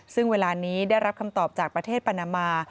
ซึ่งเวลานี้ได้รับคำตอบจากประเทศปานามา